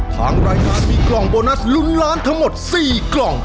ทางรายการมีกล่องโบนัสลุ้นล้านทั้งหมด๔กล่อง